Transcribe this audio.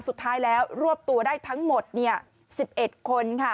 สุดท้ายแล้วรวบตัวได้ทั้งหมด๑๑คนค่ะ